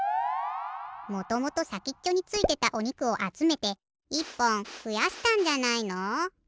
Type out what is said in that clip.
もともとさきっちょについてたおにくをあつめて１ぽんふやしたんじゃないの？